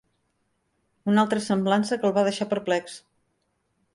Una altra semblança el va deixar perplex.